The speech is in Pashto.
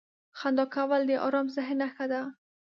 • خندا کول د ارام ذهن نښه ده.